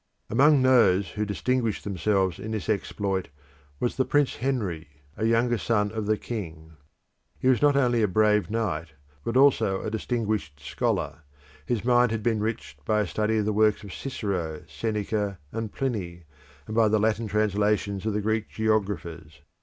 Among those who distinguished themselves in this exploit was the Prince Henry, a younger son of the king. He was not only a brave knight, but also a distinguished scholar; his mind had been enriched by a study of the works of Cicero, Seneca, and Pliny, and by the Latin translations of the Greek geographers.